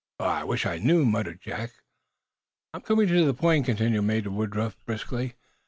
"I wish I knew!" muttered Jack. "I'm coming to the point," continued Major Woodruff, briskly.